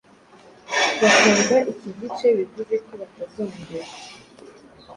bakumva iki gice bivuze ko batazongera